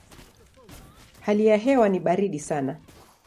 Hali ya hewa ni baridi sana.